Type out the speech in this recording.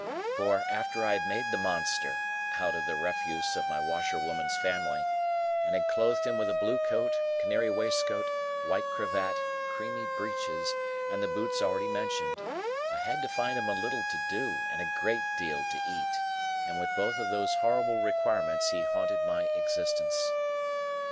For, after I had made the monster (out of the refuse of my washerwoman's family), and had clothed him with a blue coat, canary waistcoat, white cravat, creamy breeches, and the boots already mentioned, I had to find him a little to do and a great deal to eat; and with both of those horrible requirements he haunted my existence.